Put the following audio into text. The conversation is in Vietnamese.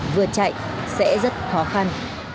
vừa chạy sẽ rất khó khăn